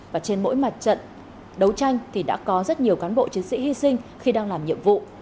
và trên mỗi mặt trận đấu tranh thì đã có rất nhiều cán bộ chiến sĩ hy sinh khi đang làm nhiệm vụ